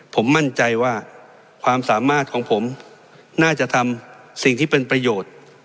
ผมมั่นใจว่าความสามารถของผมน่าจะทำสิ่งที่เป็นประโยชน์